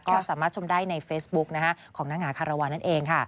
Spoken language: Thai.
ก็สามารถชมได้ในเฟซบุ๊กของนางหาคารวาลนั่นเองค่ะ